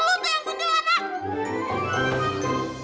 lu tuh yang senggelenak